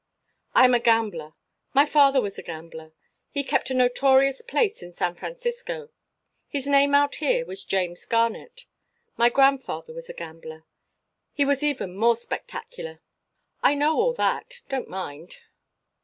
"I am a gambler. My father was a gambler. He kept a notorious place in San Francisco. His name out here was James Garnett. My grandfather was a gambler. He was even more spectacular " "I know all that. Don't mind."